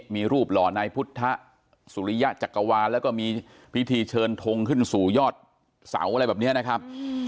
มีรูปหล่อในพุทธสุริยะจักรวาลแล้วก็มีพิธีเชิญทงขึ้นสู่ยอดเสาอะไรแบบนี้นะครับ